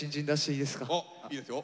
いいですよ。